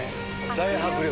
大迫力。